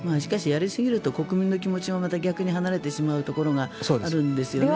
やりすぎると国民の気持ちもまた逆に離れてしまうところがあるんですね。